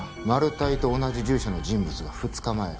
マルタイと同じ住所の人物が２日前